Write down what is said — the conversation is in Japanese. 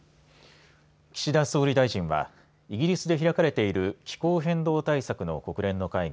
岸田総理大臣はイギリスで開かれている気候変動対策の国連の会議